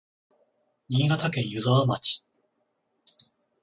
新潟県湯沢町